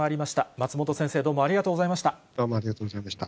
松本先生、どうもありがとうございました。